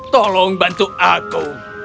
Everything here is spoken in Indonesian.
tolong bantu aku